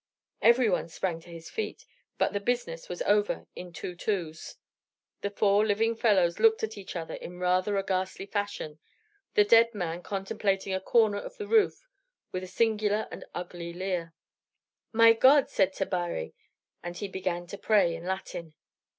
Everyone sprang to his feet; but the business was over in two twos. The four living fellows looked at each other in rather a ghastly fashion; the dead man contemplating a corner of the roof with a singular and ugly leer. "My God!" said Tabary, and he began to pray in Latin.